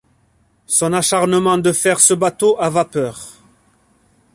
Son acharnement de faire ce bateau à vapeur